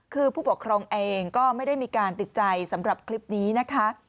คือผู้ปกครองเองก็ไม่ได้มีการติดใจสำหรับคลิปนี้นะคะ